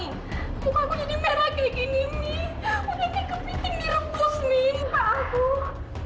udah kayak kepitin direbus